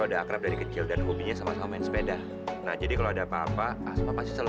udah akrab dari kecil dan hobinya sama sama main sepeda nah jadi kalau ada apa apa asma pasti selalu